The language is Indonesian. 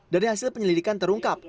dari hasil penyelidikan terungkap